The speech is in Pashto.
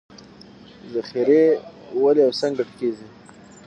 ذخیرې ولې او څنګه ډکېږي